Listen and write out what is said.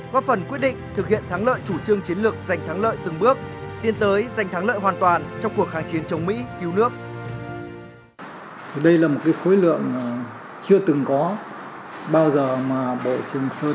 góp phần quyết định thực hiện thắng lợi chủ trương chiến lược giành thắng lợi từng bước tiến tới giành thắng lợi hoàn toàn trong cuộc kháng chiến chống mỹ cứu nước